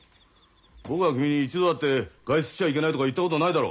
僕が君に一度だって外出しちゃいけないとか言ったことないだろう。